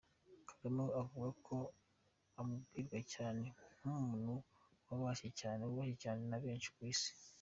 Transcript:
Kagame we avuga ko amubwirwa cyane nkumuntu wubashye cyane na benshi ku isi.